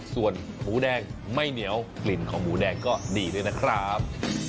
ส่วนหมูแดงไม่เหนียวกลิ่นของหมูแดงก็ดีด้วยนะครับ